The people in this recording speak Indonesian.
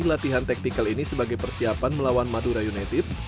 latihan taktikal ini sebagai persiapan melawan madura united